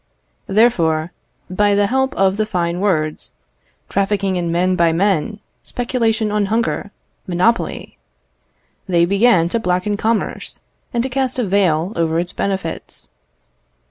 Therefore, by the help of the fine words, "trafficking in men by men, speculation on hunger, monopoly," they began to blacken commerce, and to cast a veil over its benefits.